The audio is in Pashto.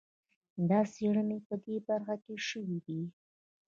دا څېړنې په دې برخه کې شوي دي.